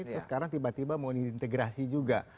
terus sekarang tiba tiba mau diintegrasi juga